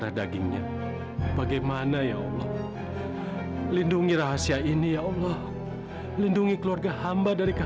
aku ingin menyayangi kamu mila